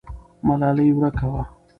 ملالۍ ورکه وه.